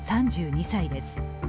３２歳です。